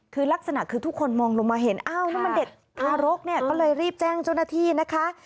คือลักษณะคือทุกคนมองลงมาเห็นอ้าวนี่มันเด็กทารกเนี่ยก็เลยรีบแจ้งเจ้าหน้าที่นะคะ